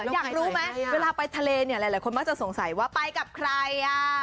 อยากรู้ไหมเวลาไปทะเลเนี่ยหลายคนมักจะสงสัยว่าไปกับใคร